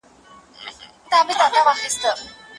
که تکنالوژي سمه استفاده نه شي، ذهنونه خراب کیږي.